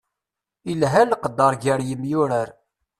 Ilha leqder gar yemyurar.